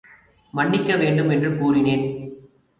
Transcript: மன்னிக்க வேண்டும், என்று கூறினேன்.